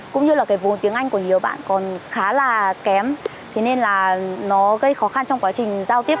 cũng như là cái vốn tiếng anh của nhiều bạn còn khá là kém thế nên là nó gây khó khăn trong quá trình giao tiếp